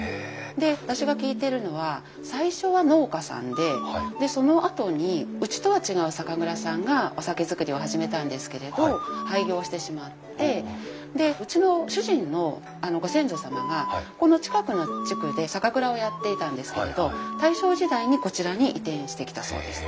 で私が聞いてるのは最初は農家さんでそのあとにうちとは違う酒蔵さんがお酒造りを始めたんですけれど廃業してしまってでうちの主人のご先祖様がこの近くの地区で酒蔵をやっていたんですけれど大正時代にこちらに移転してきたそうです。